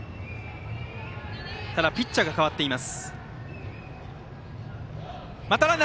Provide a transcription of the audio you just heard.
ただピッチャーが代わっています。